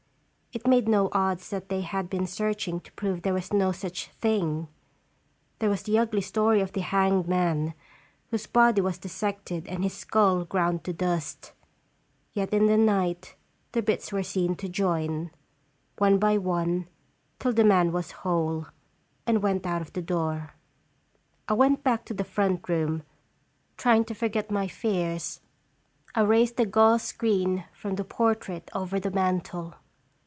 It made no odds that they had been searching to prove there was no such thing. There was the ugly story of the hanged man, whose body was dissected and his skull ground to dust; yet in the night the bits were seen to join, one by one, till the man was whole, and went out of the door. I went back to the front room. Trying to forget my fears, I raised the gauze screen from the portrait over the mantel.